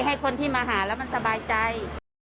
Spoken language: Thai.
ให้คนที่มาหาแล้วมันสบายใจ